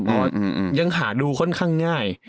เพราะว่ายังหาดูค่อนข้างง่าย